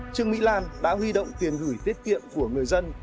trương mỹ lan đã huy động tiền gửi tiết kiệm của người dân